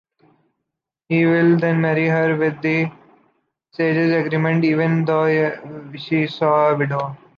He will then marry her with the Sages’ agreement, even though she was a widow.